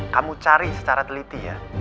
kamu cari secara teliti ya